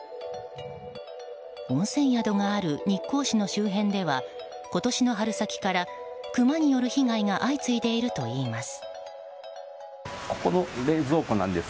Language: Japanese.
温泉宿がある日光市の周辺では今年の春先からクマによる被害が相次いでいるといいます。